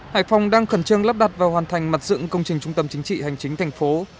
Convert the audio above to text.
hải phòng đang khẩn trương lắp đặt và hoàn thành mặt dựng công trình trung tâm chính trị hành chính thành phố